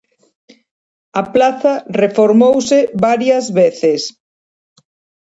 La plaza se ha reformado varias veces.